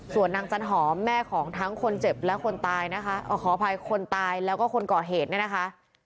ส่วนนางจันหอมแม่ของทั้งคนเจ็บและคนตายนะคะขออภัยคนตายแล้วก็คนก่อเหตุเนี่ยนะคะ